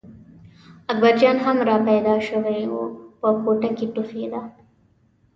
اکبرجان هم را پیدا شوی و په کوټه کې ټوخېده.